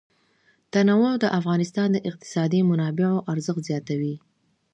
تنوع د افغانستان د اقتصادي منابعو ارزښت زیاتوي.